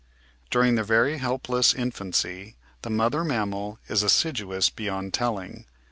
During the very help less infancy, the mother mammal is assiduous beyond telling.